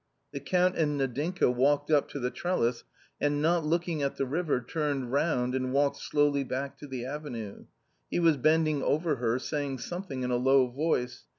The Count and Nadinka walked up to the trellis, and not looking at the river, turned round and walked slowly back to the avenue. He was bending over her, saying something in a low voice.